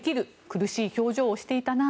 苦しい表情をしていたな